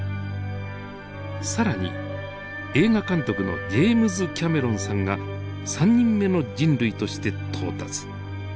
更に映画監督のジェームズ・キャメロンさんが３人目の人類として到達。